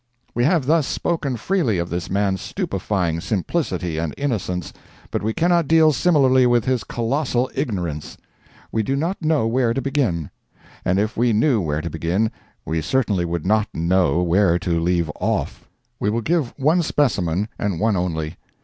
We have thus spoken freely of this man's stupefying simplicity and innocence, but we cannot deal similarly with his colossal ignorance. We do not know where to begin. And if we knew where to begin, we certainly would not know where to leave off. We will give one specimen, and one only.